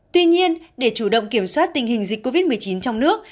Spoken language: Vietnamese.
tuy nhiên để chủ động kiểm soát tình hình dịch covid một mươi chín trong nước